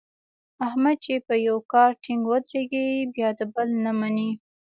احمد چې په یوه کار ټینګ ودرېږي بیا د بل نه مني.